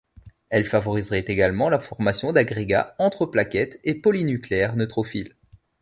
Elle favoriserait également la formation d'agrégats entre plaquettes et polynucléaires neutrophiles.